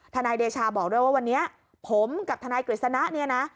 ธนาฬิชาบอกด้วยว่าวันนี้ผมกับธนาฬิกฤษณะนี่นะ